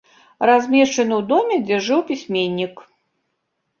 Размешчаны ў доме, дзе жыў пісьменнік.